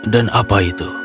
dan apa itu